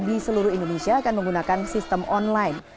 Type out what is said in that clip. di seluruh indonesia akan menggunakan sistem online